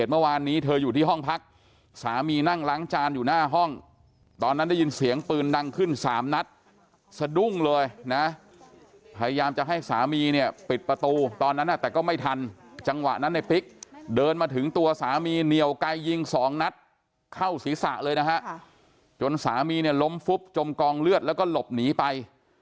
ตอนนั้นได้ยินเสียงปืนดังขึ้น๓นัดสะดุ้งเลยนะพยายามจะให้สามีเนี่ยปิดประตูตอนนั้นแต่ก็ไม่ทันจังหวะนั้นในปิ๊กเดินมาถึงตัวสามีเหนี่ยวไกยยิง๒นัดเข้าศีรษะเลยนะฮะจนสามีเนี่ยล้มฟุบจมกองเลือดแล้วก็หลบหนีไป